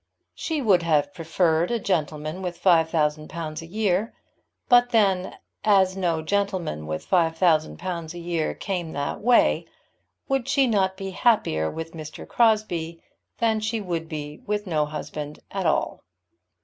She would have preferred a gentleman with £5,000 a year; but then as no gentleman with £5,000 a year came that way, would she not be happier with Mr. Crosbie than she would be with no husband at all?